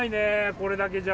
これだけじゃ。